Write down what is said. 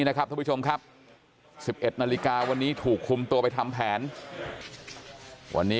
นะครับท่านผู้ชมครับ๑๑นาฬิกาวันนี้ถูกคุมตัวไปทำแผนวันนี้